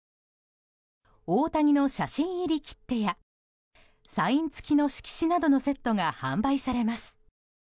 大谷の写真入り切手やサイン付きの色紙などのセットが販売されます。